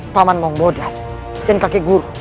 paman maung bodas dan kakek guru